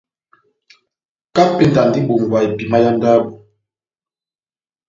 Kapenda endi ó ibongwa epima yá ndabo.